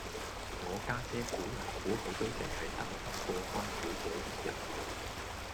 我家姐估黎估去都淨係得失過關小姐一人